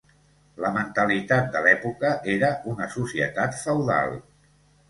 La mentalitat de l'època era una societat feudal.